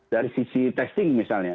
dari sisi testing misalnya